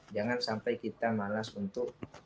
jangan sampai kita malas untuk